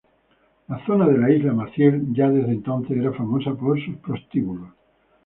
La zona de la Isla Maciel ya desde entonces era famosa por sus prostíbulos.